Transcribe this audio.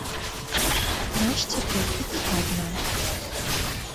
Ноч цяпер, куды ты адна?